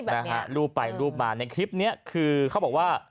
นะฮะรูปไปรูปมาในคลิปนี้คือเขาบอกว่า